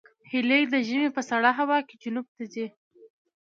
هیلۍ د ژمي په سړه هوا کې جنوب ته ځي